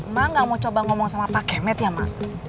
mbak gak mau coba ngomong sama pak kemet ya mak